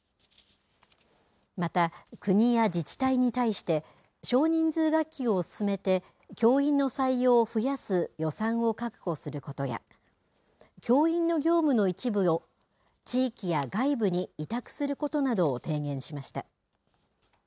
また、国や自治体に対して、少人数学級を進めて、教員の採用を増やす予算を確保することや、教員の業務の一部を、地域や外部に委託することなどを提言しました。